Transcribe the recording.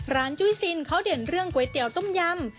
จุ้ยซินเขาเด่นเรื่องก๋วยเตี๋ยวต้มยำ